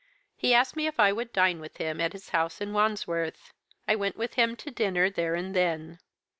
He asked me if I would dine with him in his house at Wandsworth. I went with him to dinner there and then.